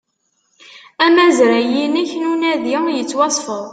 Amazray-inek n unadi yettwasfed